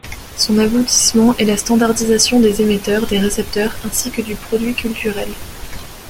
Son aboutissement est la standardisation des émetteurs, des récepteurs ainsi que du produit culturel.